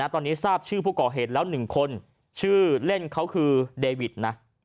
ตอนนี้ทราบชื่อผู้ก่อเหตุแล้ว๑คนชื่อเล่นเขาคือเดวิดนะ